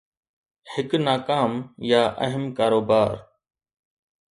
هڪ ناڪام يا اهم ڪاروبار